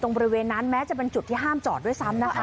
บริเวณนั้นแม้จะเป็นจุดที่ห้ามจอดด้วยซ้ำนะคะ